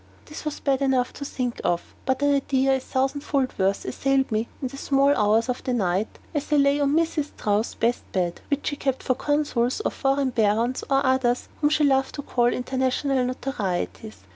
This was bad enough to think of, but an idea a thousandfold worse assailed me in the small hours of the night, as I lay on Mrs. Strouss's best bed, which she kept for consuls, or foreign barons, or others whom she loved to call "international notorieties."